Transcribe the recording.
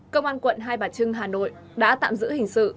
công an quận hai bà trưng hà nội đã tạm giữ hình sự